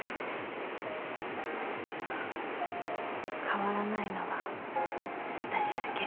変わらないのは私だけ。